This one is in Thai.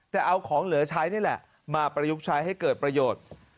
แต่เอาของเหลือใช้นี่แหละมาประยุกต์ใช้ให้เกิดประโยชน์